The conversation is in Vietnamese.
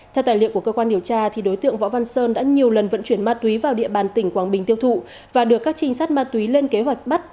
theo tài liệu của cơ quan điều tra đối tượng võ văn sơn đã nhiều lần vận chuyển ma túy vào địa bàn tỉnh quảng bình tiêu thụ và được các trinh sát ma túy lên kế hoạch bắt